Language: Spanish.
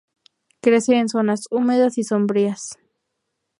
Crece en zonas húmedas y sombrías.